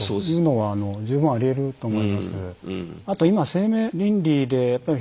はい。